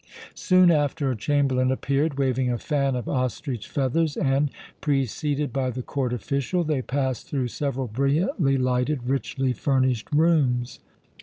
Soon after a chamberlain appeared, waving a fan of ostrich feathers and, preceded by the court official, they passed through several brilliantly lighted, richly furnished rooms.